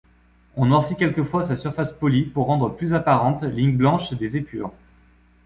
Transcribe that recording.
On noircit quelquefois sa surface polie pour rendre plus apparentes lignes blanches des épures.